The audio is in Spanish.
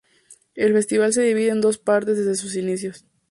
El festival se divide en dos partes desde sus inicios.